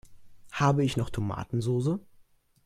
Habe ich noch Tomatensoße?